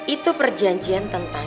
itu perjanjian tentang